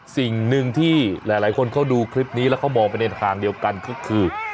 สิ่งหนึ่งที่หลายคนเขาดูคลิปนี้แล้วเขามองไปในทางเดียวกันก็คือ